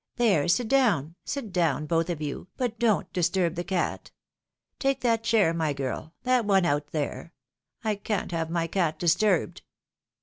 There, sit down, sit down both of you, but don't disturb the cat. Take that chair, my girl, that one out there ; I can't have my cat disturbed."